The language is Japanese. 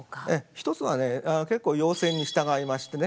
一つはね結構要請に従いましてね